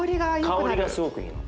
香りがすごくいいの。